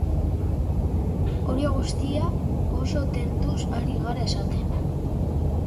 Hori guztia, oso tentuz ari gara esaten.